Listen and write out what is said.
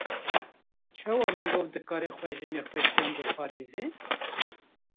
Çawa mirov dikare xwe ji nexweşiyan biparêze?